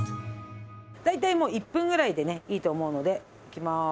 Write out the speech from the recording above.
大体もう１分ぐらいでねいいと思うのでいきます。